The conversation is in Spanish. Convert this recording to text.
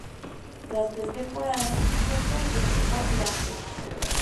Tras tres temporadas fichó por el equipo Lampre.